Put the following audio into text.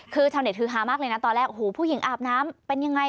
คือชาวเน็ตฮือฮามากเลยนะตอนแรกโอ้โหผู้หญิงอาบน้ำเป็นยังไง